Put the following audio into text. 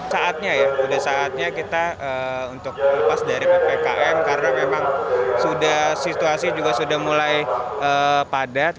saatnya ya sudah saatnya kita untuk lepas dari ppkm karena memang situasi juga sudah mulai padat